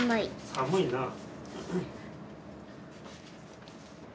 寒いなあ。